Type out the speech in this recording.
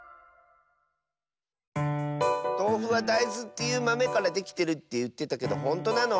とうふはだいずっていうまめからできてるっていってたけどほんとなの？